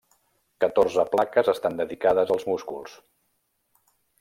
Catorze plaques estan dedicades als músculs.